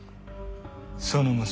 その娘